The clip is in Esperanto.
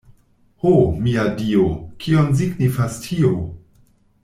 Ho, mia Dio, kion signifas tio?